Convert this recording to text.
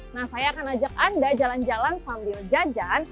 nah saya akan ajak anda jalan jalan sambil jajan